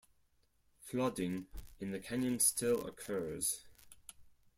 Flooding in the canyon still occurs.